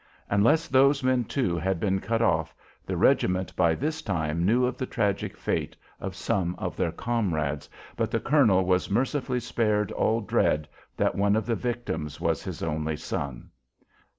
Unless those men, too, had been cut off, the regiment by this time knew of the tragic fate of some of their comrades, but the colonel was mercifully spared all dread that one of the victims was his only son.